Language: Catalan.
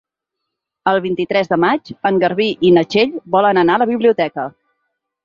El vint-i-tres de maig en Garbí i na Txell volen anar a la biblioteca.